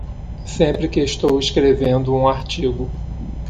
Sempre que estou escrevendo um artigo